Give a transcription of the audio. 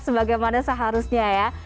sebagaimana seharusnya ya